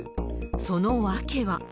その訳は。